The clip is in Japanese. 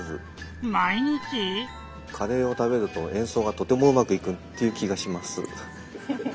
まい日⁉カレーをたべるとえんそうがとてもうまくいくっていう気がします。